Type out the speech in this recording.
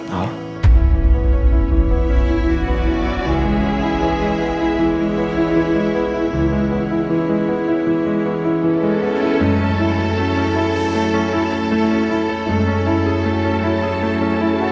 bukan orang lain